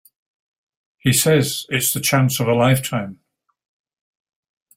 He says it's the chance of a lifetime.